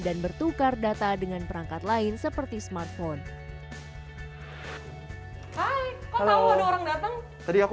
dan bertukar data dengan perangkat lain seperti smartphone hai kalau ada orang datang tadi aku